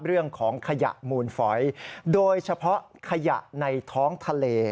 เรื่องของขยะมูลฝอยโดยเฉพาะขยะในท้องทะเล